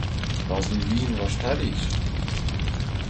Рвезе вийын ваштареш